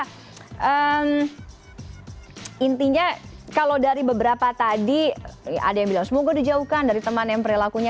dan intinya kalau dari beberapa tadi ada yang bilang semoga dijauhkan dari teman yang berlakunya